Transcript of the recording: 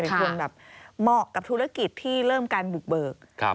คนแบบเหมาะกับธุรกิจที่เริ่มการบุกเบิก